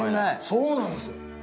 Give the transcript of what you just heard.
そうなんですよ。